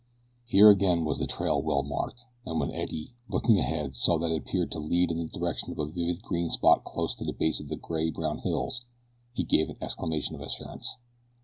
Here again was the trail well marked, and when Eddie, looking ahead, saw that it appeared to lead in the direction of a vivid green spot close to the base of the gray brown hills he gave an exclamation of assurance.